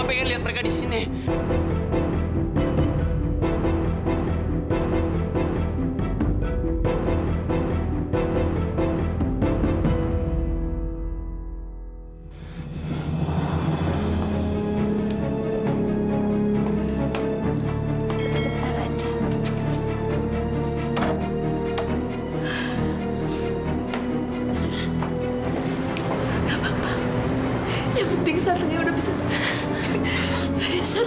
terima kasih tuhan